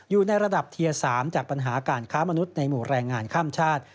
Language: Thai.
อยู่ในระดับเทียร์๓จากปัญหาการค้ามนุษย์ในหมู่แรงงานข้ามชาติ